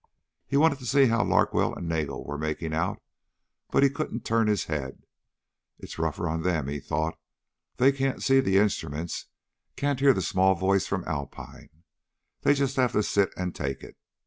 He wanted to see how Larkwell and Nagel were making out but couldn't turn his head. It's rougher on them, he thought. They can't see the instruments, can't hear the small voice from Alpine. They just have to sit and take it.